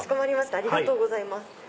ありがとうございます。